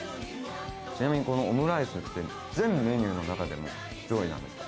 ちなみにこのオムライスって全メニューの中でも上位なんですか？